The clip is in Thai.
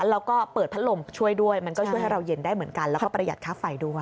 แล้วก็เปิดพัดลมช่วยด้วยมันก็ช่วยให้เราเย็นได้เหมือนกันแล้วก็ประหยัดค่าไฟด้วย